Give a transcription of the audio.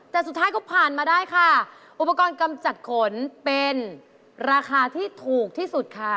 แต่สุดท้ายก็ผ่านมาได้ค่ะอุปกรณ์กำจัดขนเป็นราคาที่ถูกที่สุดค่ะ